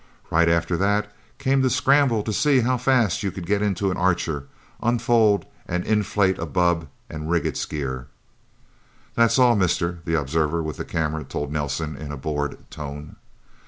Right after that came the scramble to see how fast you could get into an Archer, unfold and inflate a bubb and rig its gear. "That's all, Mister," the observer with the camera told Nelsen in a bored tone.